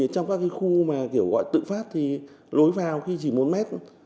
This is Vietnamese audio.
trong các cái khu mà kiểu gọi tự phát thì lối vào khi chỉ một mét